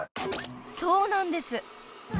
［そうなんです。